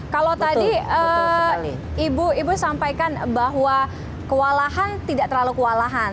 kalau tadi ibu sampaikan bahwa kewalahan tidak terlalu kewalahan